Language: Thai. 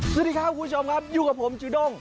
สวัสดีครับคุณผู้ชมครับอยู่กับผมจูด้ง